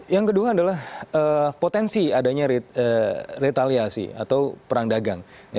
yang kedua adalah potensi adanya retaliasi atau perang dagang